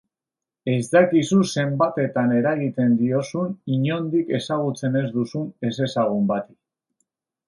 Ez dakizu zenbatetan eragiten diozun inondik ezagutzen ez duzun ezezagun bati.